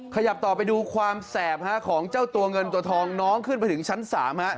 ขยับต่อไปดูความแสบของเจ้าตัวเงินตัวทองน้องขึ้นไปถึงชั้น๓ฮะ